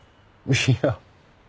いや。